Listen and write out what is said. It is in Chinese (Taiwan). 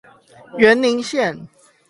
員林線